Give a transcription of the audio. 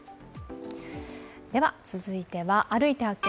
続いては「歩いて発見！